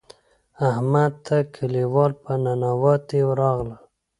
احمد ته کلیوال په ننواتې راغلل.